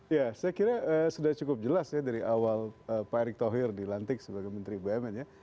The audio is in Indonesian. ya saya kira sudah cukup jelas ya dari awal pak erick thohir dilantik sebagai menteri bumn ya